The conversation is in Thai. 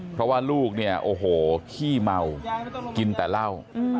เพราะว่าลูกเนี่ยโอ้โหขี้เมากินแต่เหล้า